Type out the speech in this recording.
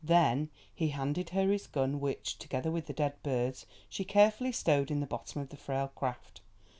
Then he handed her his gun, which, together with the dead birds, she carefully stowed in the bottom of the frail craft.